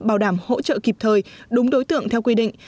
bảo đảm hỗ trợ kịp thời đúng đối tượng theo quy định